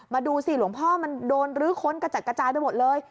ดูสิหลวงพ่อมันโดนรื้อค้นกระจัดกระจายไปหมดเลย